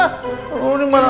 aduh ini marah